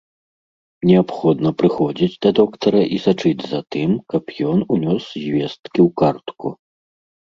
Неабходна прыходзіць да доктара і сачыць за тым, каб ён унёс звесткі ў картку.